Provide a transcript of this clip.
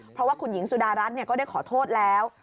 เพราะว่าคุณหญิงสุดารัฐก็ได้ขอโทษแล้ว